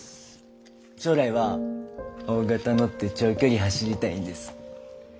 将来は大型乗って長距離走りたいんです。